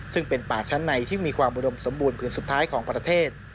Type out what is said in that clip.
ซึ่งเป็นป่าชั้นในที่มีความอุดมสมบูรณผืนสุดท้ายของประเทศ